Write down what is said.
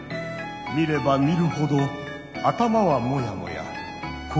見れば見るほど頭はモヤモヤ心もモヤモヤ。